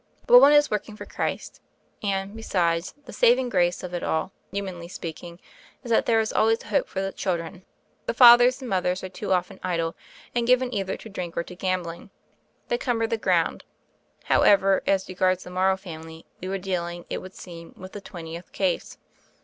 But one is working for Christ; and, besides, the saving grace of it all, humanly speaking, is that there is always hope for the children. The fathers and mothers are too often idle, and given either to drink or to gam bling. They cumber the ground. However, as regards the Morrow family, we were dealing, it would seem, with the twentieth case.